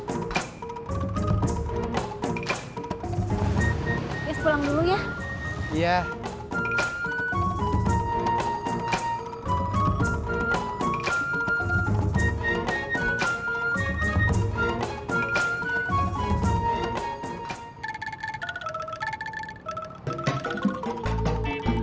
iis kamu mau ke rumah iis